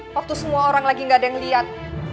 waktu semua orang lagi gak ada yang lihat